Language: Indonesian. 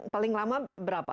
paling lama berapa